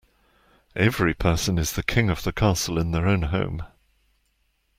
Every person is the king of the castle in their own home.